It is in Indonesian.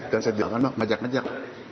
dan saya jangan mengajak anjak